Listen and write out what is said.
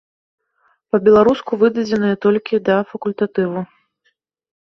Па-беларуску выдадзеныя толькі да факультатыву.